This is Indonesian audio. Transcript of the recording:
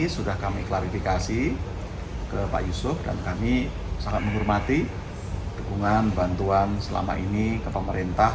sudah kami klarifikasi ke pak yusuf dan kami sangat menghormati dukungan bantuan selama ini ke pemerintah